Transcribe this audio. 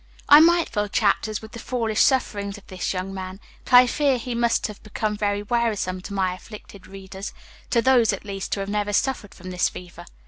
I might fill chapters with the foolish sufferings of this young man; but I fear he must have become very wearisome to my afflicted readers to those, at least, who have never suffered from this fever.